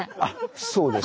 そうです。